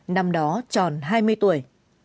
năm đó tròn hai mươi tuổi